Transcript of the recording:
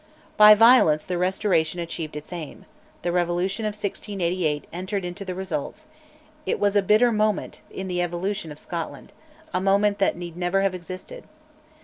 By violence the Restoration achieved its aim: the Revolution of 1688 entered into the results; it was a bitter moment in the evolution of Scotland a moment that need never have existed.